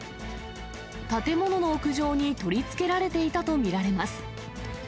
建物の屋上に取り付けられていたと見られます。